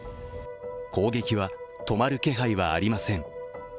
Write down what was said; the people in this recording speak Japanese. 攻撃は止まる気配はありません。